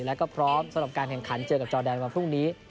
แล้วก็พร้อมสำหรับการแข่งขันเจอกับจอแดนวันพรุ่งนี้